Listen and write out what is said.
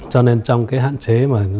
cho nên trong cái hạn chế mà